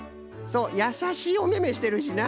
そうやさしいおめめしてるしな。